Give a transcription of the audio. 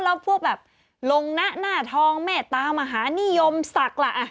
แล้วพวกแบบลงนะหน้าทองเมตตามหานิยมศักดิ์ล่ะ